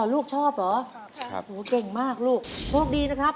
ลูกชอบเหรอโหเก่งมากลูกโชคดีนะครับ